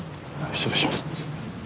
失礼します。